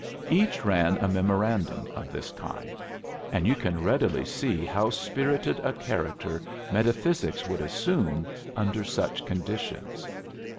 Each ran a memorandum of this kind; and you can readily see how spirited a character metaphysics would assume under such conditions.